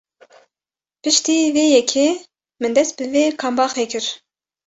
Piştî vê yekê min dest bi vê kambaxê kir!.